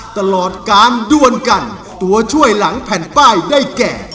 ตลอดการด้วนกันตัวช่วยหลังแผ่นป้ายได้แก่